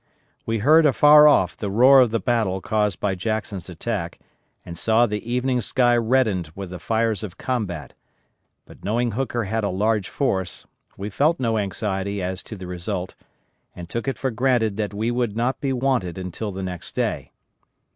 We heard afar off the roar of the battle caused by Jackson's attack, and saw the evening sky reddened with the fires of combat, but knowing Hooker had a large force, we felt no anxiety as to the result, and took it for granted that we would not be wanted until the next day.